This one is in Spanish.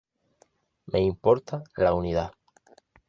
Me importa la unidad.